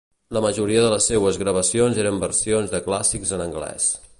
La majoria de les seues gravacions eren versions de clàssics en anglès.